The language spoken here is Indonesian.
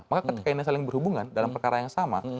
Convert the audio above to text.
maka ketika ini saling berhubungan dalam perkara yang sama